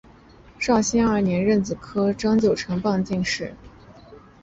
绍兴二年壬子科张九成榜进士。